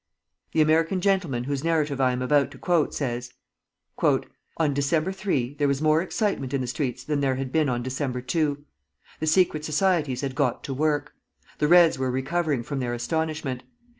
The American gentleman whose narrative I am about to quote, says, "On December 3 there was more excitement in the streets than there had been on December 2. The secret societies had got to work. The Reds were recovering from their astonishment.